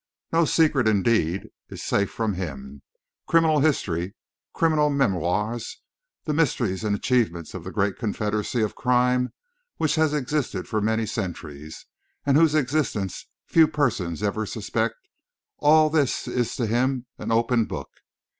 No secret, indeed, is safe from him; criminal history, criminal memoirs the mysteries and achievements of the great confederacy of crime which has existed for many centuries, and whose existence few persons even suspect all this is to him an open book.